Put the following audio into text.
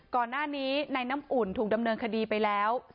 ก่อนหน้านี้ในน้ำอุ่นถูกดำเนินคดีไปแล้ว